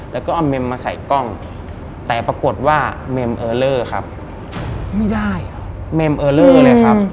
แล้วก็เอาเมมมาใส่กล้องแต่ปรากฏว่าเมมเออเลอร์ครับไม่ได้เมมเออเลอร์เลยครับ